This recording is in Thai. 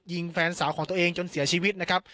แฟนสาวของตัวเองจนเสียชีวิตนะครับ